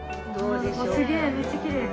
すげえ！